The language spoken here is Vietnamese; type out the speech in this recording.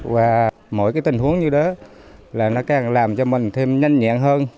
và mỗi tình huống như đó càng làm cho mình thêm nhanh nhẹn hơn